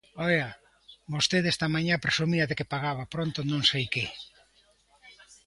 Oia, vostede esta mañá presumía de que pagaba pronto non sei que.